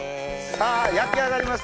さぁ焼き上がりました！